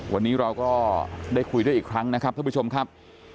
วันนี้เราก็ได้คุยด้วยอีกครั้งนะครับท่านผู้ชมครับ